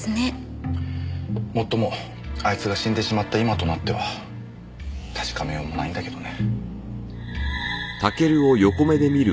もっともあいつが死んでしまった今となっては確かめようもないんだけどね。